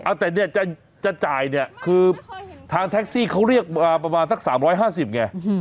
อ่าแต่เนี่ยจะจ่ายเนี่ยคือทางแท็กซี่เขาเรียกประมาณสักสามร้อยห้าสิบไง